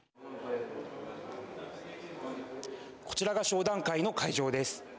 こちらが商談会の会場です。